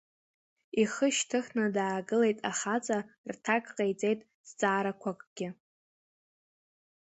Ихы шьҭыхны даагылеит ахаҵа, рҭак ҟаиҵеит зҵаарақәакгьы.